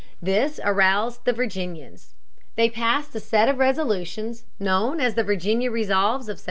This aroused the Virginians. They passed a set of resolutions, known as the Virginia Resolves of 1769.